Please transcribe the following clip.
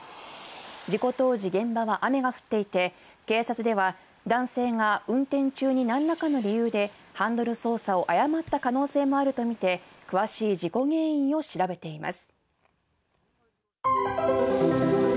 事故当時、現場は雨が降っていて、警察では、男性が運転中になんらかの理由でハンドル操作を誤った可能性もあると見て、詳しい事故原因を調べています。